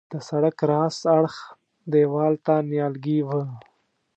د سړک راست اړخ دیوال ته نیالګي وه.